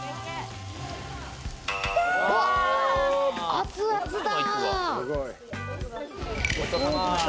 熱々だ！